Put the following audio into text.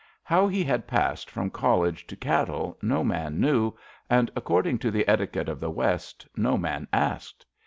How he had passed from college to cattle no man knew, and, according to the etiquette of the West, no man asked.